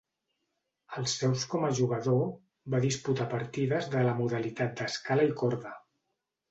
Als seus com a jugador, va disputar partides de la modalitat d'Escala i Corda.